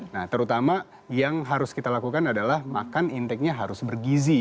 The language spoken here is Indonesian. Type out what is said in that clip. nah terutama yang harus kita lakukan adalah makan inteknya harus bergizi